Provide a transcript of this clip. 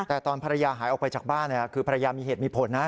แต่ตอนภรรยาหายออกไปจากบ้านคือภรรยามีเหตุมีผลนะ